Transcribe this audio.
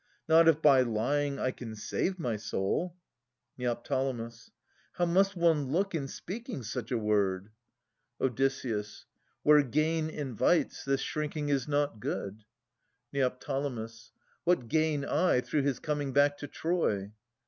Not if by lying I can save my soul. Neo. How must one look in speaking such a word? 111 136] Philoctetes 271 Od. Where gain invites, this shrinking is not good. Ned. What gain I through his coming back to Troy